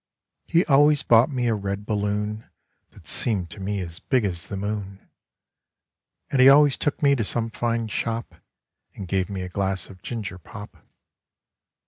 He always bought me a red balloon That seemed to me as big as the moon. And he always took me to some fine shop And gave me a glass of ginger pop.